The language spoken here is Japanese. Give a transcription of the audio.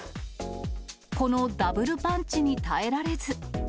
このダブルパンチに耐えられず。